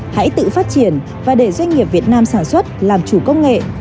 hãy tự phát triển và để doanh nghiệp việt nam sản xuất làm chủ công nghệ